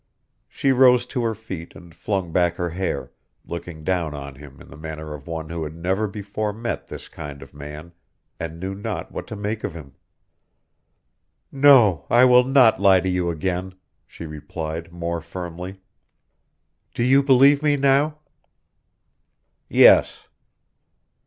She rose to her feet and flung back her hair, looking down on him in the manner of one who had never before met this kind of man, and knew not what to make of him. "No, I will not lie to you again," she replied, more firmly. "Do you believe me now?" "Yes."